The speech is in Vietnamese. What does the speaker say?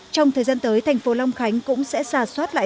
trong thời gian tới thành phố long khánh cũng sẽ xà xoát lại